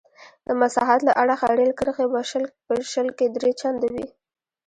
د مساحت له اړخه رېل کرښې په شل کې درې چنده وې.